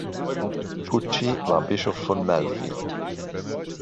Pucci war Bischof von Melfi.